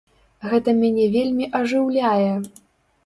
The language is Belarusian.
Гэта мяне вельмі ажыўляе!